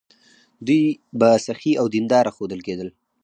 دوی به سخي او دینداره ښودل کېدل.